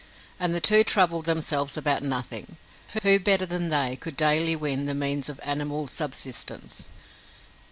And the two troubled themselves about nothing. Who better than they could daily win the means of animal subsistence?